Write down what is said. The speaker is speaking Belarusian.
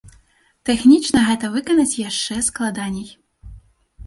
Тэхнічна гэта выканаць яшчэ складаней.